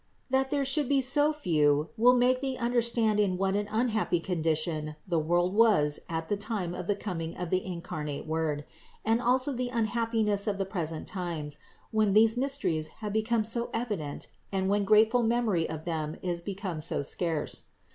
That there should be so few, will make thee understand in what an unhappy condition the world was at the time of the coming of the incarnate Word ; and also the unhappiness of the present times, when these mysteries have become so evident and when grateful memory of them is become so scarce.